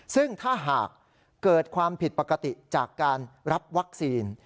ซึ่งถ้าหากเกิดความผิดปกติจากการรับวัคซีน